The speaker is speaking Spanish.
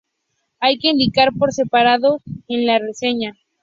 Hay que indicar por separado en la reseña.